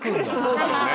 そうだろうね。